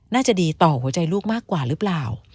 น่าจะดีต่อหัวใจลูกมากกว่าหรือเปล่า